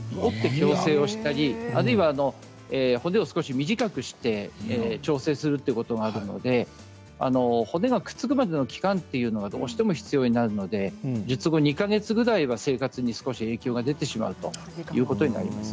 矯正をしたり、あるいは骨を少し短くして調整するということもあるので骨がくっつくまでの期間というのは、どうしても必要になるので術後２か月ぐらいは生活に少し影響が出てしまうということになります。